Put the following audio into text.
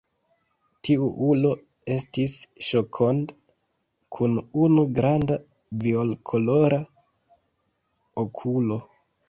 Tiu ulo estis Ŝokond, kun unu granda violkolora okulo.